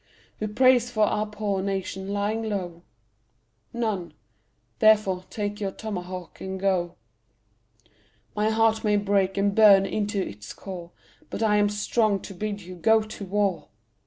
Who prays for our poor nation lying low? None therefore take your tomahawk and go. My heart may break and burn into its core, But I am strong to bid you go to war.